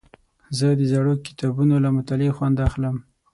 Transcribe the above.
زه د زړو کتابونو له مطالعې خوند اخلم.